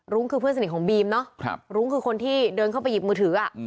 คือเพื่อนสนิทของบีมเนอะรุ้งคือคนที่เดินเข้าไปหยิบมือถือ